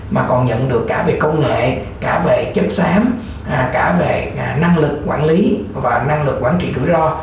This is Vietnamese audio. mà còn nhận được cả về công nghệ cả về chất xám cả về năng lực quản lý và năng lực quản trị rủi ro